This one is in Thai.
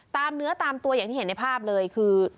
เนื้อตามตัวอย่างที่เห็นในภาพเลยคือ